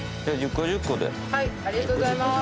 ありがとうございます。